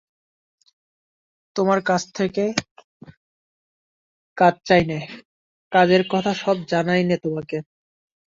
তোমার কাছ থেকে কাজ চাই নে, কাজের কথা সব জানাইও নে তোমাকে।